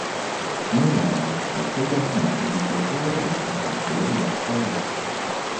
Nugara nuo šviesiai geltonos iki šviesiai rudos ar tamsiai rudos spalvos.